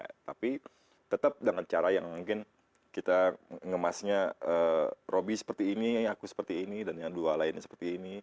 tapi tetap dengan cara yang mungkin kita ngemasnya roby seperti ini aku seperti ini dan yang dua lainnya seperti ini